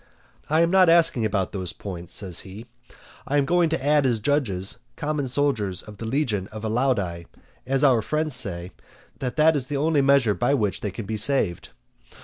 I am not asking about those points, says he; I am going to add as judges, common soldiers of the legion of Alaudae; for our friends say, that that is the only measure by which they can be saved.